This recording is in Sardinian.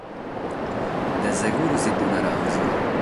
De seguru bi lu naramus.